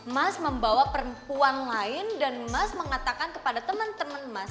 mas membawa perempuan lain dan mas mengatakan kepada teman teman mas